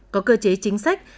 có cơ chế chính sách